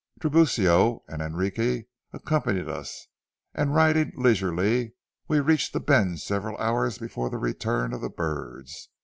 Tiburcio and Enrique accompanied us, and, riding leisurely, we reached the bend several hours before the return of the birds.